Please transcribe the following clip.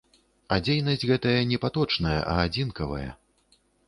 А дзейнасць гэтая не паточная, а адзінкавая.